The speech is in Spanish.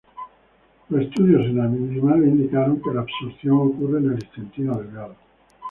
Los estudios en animales indicaron que la absorción ocurre en el intestino delgado.